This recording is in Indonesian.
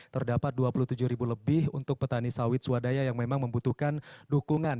terdapat dua puluh tujuh ribu lebih untuk petani sawit swadaya yang memang membutuhkan dukungan